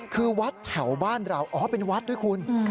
คือวัดแถวบ้านเราอ๋อเป็นวัดด้วยคุณ